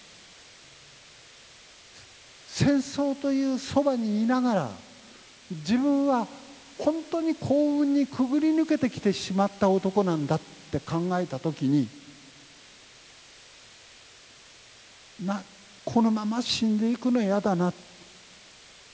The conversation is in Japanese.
戦争というそばにいながら自分は本当に幸運にくぐり抜けてきてしまった男なんだって考えた時にこのまま死んでいくの嫌だな。